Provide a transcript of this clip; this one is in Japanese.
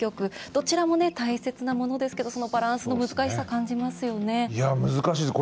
どちらも大切なものですけどそのバランスの難しさ難しいです。